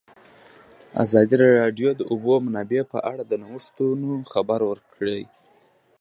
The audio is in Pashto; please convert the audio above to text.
ازادي راډیو د د اوبو منابع په اړه د نوښتونو خبر ورکړی.